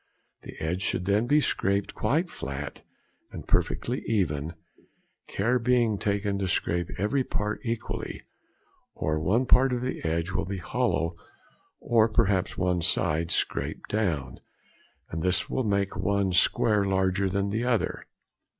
The edge should be scraped quite flat and perfectly even, care being taken to scrape every part equally, or one part of the edge will be hollow or perhaps one side scraped down, and this will make one square larger than the other.